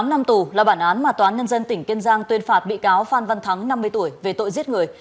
tám năm tù là bản án mà toán nhân dân tỉnh kiên giang tuyên phạt bị cáo phan văn thắng năm mươi tuổi về tội giết người